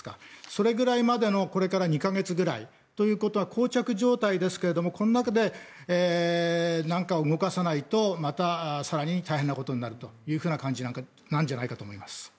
それぐらいまでのこれから２か月ぐらいということはこう着状態ですけれどもこの中で何か動かさないとまた更に大変なことになるということなんじゃないかと思います。